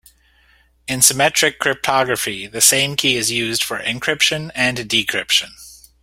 In symmetric cryptography the same key is used for encryption and decryption.